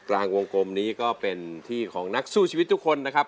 กลางวงกลมนี้ก็เป็นที่ของนักสู้ชีวิตทุกคนนะครับ